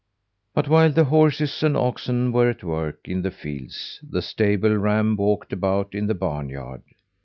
But while horses and oxen were at work in the fields, the stable ram walked about in the barnyard.